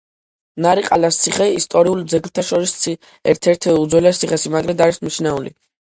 ნარიყალას ციხე ისტორიულ ძეგლთა შორის ერთ-ერთ უძველეს ციხესიმაგრედ არის მიჩნეული.